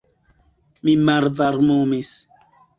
Mi malvarmumis.